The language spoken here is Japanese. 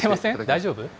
大丈夫？